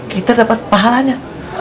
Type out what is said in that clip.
kita dapat pahalanya